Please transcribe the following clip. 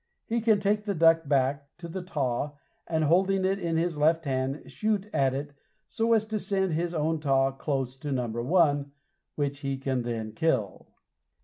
He can take the duck back to taw and holding it in his left hand shoot at it so as to send his own taw close to number one, which he can then kill.